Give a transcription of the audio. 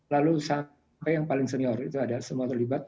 lalu sampai yang paling senior itu ada semua terlibat